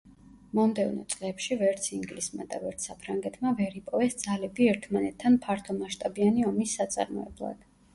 მომდევნო წლებში ვერც ინგლისმა და ვერც საფრანგეთმა ვერ იპოვეს ძალები ერთმანეთთან ფართომასშტაბიანი ომის საწარმოებლად.